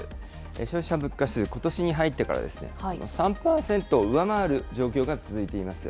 消費者物価指数、ことしに入ってから、３％上回る状況が続いています。